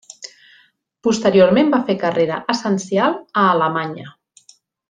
Posteriorment va fer carrera essencial a Alemanya.